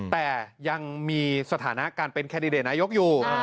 แต่ยังมีสถานะการเป็นแคนดิเดตนายกอยู่